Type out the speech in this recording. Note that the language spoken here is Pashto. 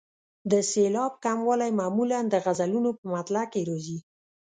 د سېلاب کموالی معمولا د غزلونو په مطلع کې راځي.